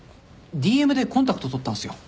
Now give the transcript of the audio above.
ＤＭでコンタクト取ったんすよ